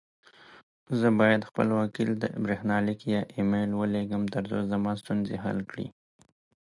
زه بايد خپل وکيل ته بريښناليک يا اى ميل وليږم، ترڅو زما ستونزي حل کړې.